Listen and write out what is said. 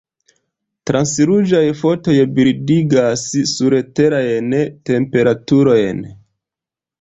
Transruĝaj fotoj bildigas surterajn temperaturojn.